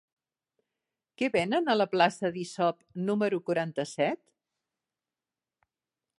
Què venen a la plaça d'Isop número quaranta-set?